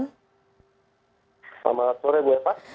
selamat sore bu epa